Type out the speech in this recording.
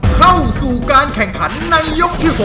เข้าสู่การแข่งขันในยกที่๖